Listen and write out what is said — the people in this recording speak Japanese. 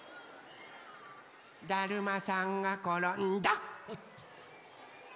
だるまさんがころんだ！